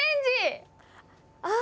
あ！